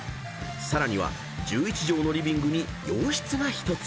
［さらには１１畳のリビングに洋室が１つ］